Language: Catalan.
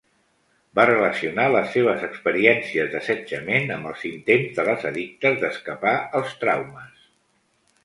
Va relacionar les seves experiències d'assetjament amb els intents de les addictes d'escapar els traumes.